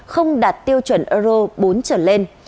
không đạt tiêu chuẩn euro bốn trở lên